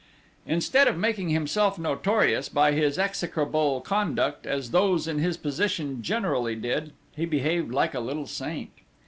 Instead of making himself notorious by his execrable conduct as those in his position generally did, he behaved like a little saint.